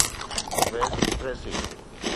west فريسي